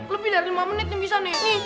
lebih dari lima menit nih bisa nih